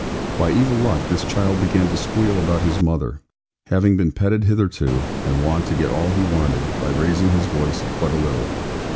By evil luck, this child began to squeal about his mother, having been petted hitherto, and wont to get all he wanted, by raising his voice but a little.